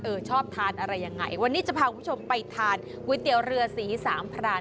ชอบทานอะไรยังไงวันนี้จะพาคุณผู้ชมไปทานก๋วยเตี๋ยวเรือสีสามพราน